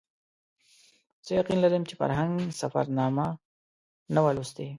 زه یقین لرم چې فرهنګ سفرنامه نه وه لوستې.